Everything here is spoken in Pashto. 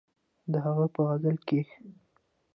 د هغه په غزل کښې